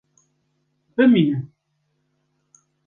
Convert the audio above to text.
Bimînin!